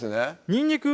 にんにく